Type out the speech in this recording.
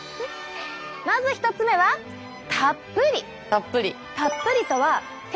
まず１つ目はたっぷり。